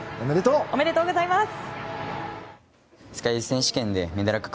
おめでとうございます。